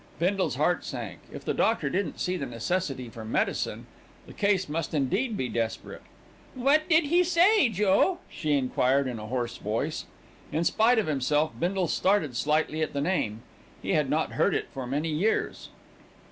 Bindle's heart sank. If the doctor didn't see the necessity for medicine, the case must indeed be desperate. "What did he say, Joe?" she enquired in a hoarse voice. In spite of himself Bindle started slightly at the name. He had not heard it for many years.